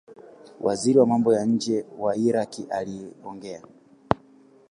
Waziri wa mambo ya nje wa Iraq aliongea